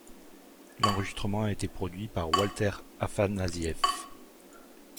L'enregistrement a été produit par Walter Afanasieff.